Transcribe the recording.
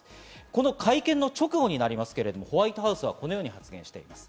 この会見の直後になりますが、ホワイトハウスはこのようにしています。